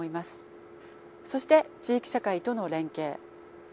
そして地域社会との連携。